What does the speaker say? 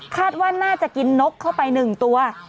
คาดว่าน่าจะกินนกเข้าไป๑ตัว